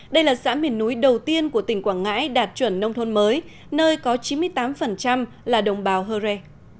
đây là xã miền núi đầu tiên của tỉnh quảng ngãi đạt chuẩn nông thôn mới nơi có chín mươi tám là đồng bào hơ rê